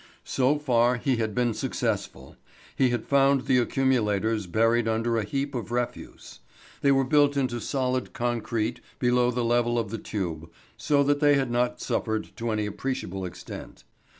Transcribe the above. So far he had been successful. He had found the accumulators buried under a heap of refuse. They were built into solid concrete below the level of the tube, so that they had not suffered to any appreciable extent.